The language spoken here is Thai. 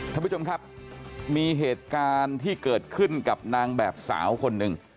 ท่านผู้ชมครับมีเหตุการณ์ที่เกิดขึ้นกับนางแบบสาวคนหนึ่ง